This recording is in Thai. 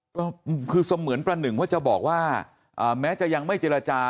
ก็คือเสมือนประหนึ่งว่าจะบอกว่าแม้จะยังไม่เจรจา